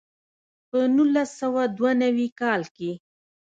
په نولس سوه دوه نوي کال کې.